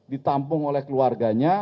ditampung oleh keluarganya